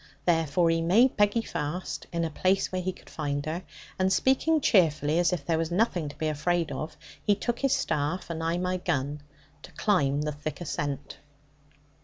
Therefore he made Peggy fast, in a place where we could find her, and speaking cheerfully as if there was nothing to be afraid of, he took his staff, and I my gun, to climb the thick ascent.